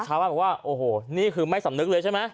ชาวบ้านบอกว่าโอ้โหนี่คือไม่สำนึกเลยใช่ไหม